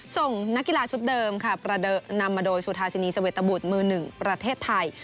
ส่งนักกีฬาชุดเดิมค่ะประเดิมนำมาโดยสุธาชินีสเวตบุตรมือ๑ประเทศไทย